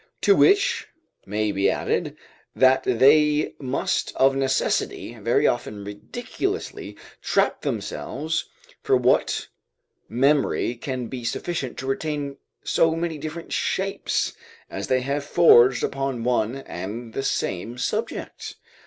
To which may be added, that they must of necessity very often ridiculously trap themselves; for what memory can be sufficient to retain so many different shapes as they have forged upon one and the same subject?